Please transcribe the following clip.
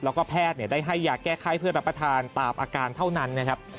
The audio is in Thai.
แล้วก็แพทย์ได้ให้ยาแก้ไข้เพื่อรับประทานตามอาการเท่านั้นนะครับ